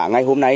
ngày hôm nay